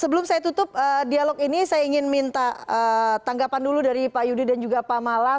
sebelum saya tutup dialog ini saya ingin minta tanggapan dulu dari pak yudi dan juga pak mala